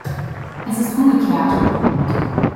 Es ist umgekehrt!